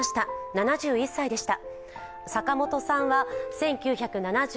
７１歳でした。